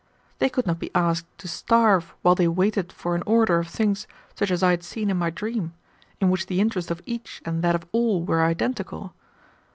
They could not be asked to starve while they waited for an order of things such as I had seen in my dream, in which the interest of each and that of all were identical.